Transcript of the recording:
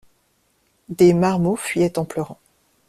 Des marmots fuyaient en pleurant.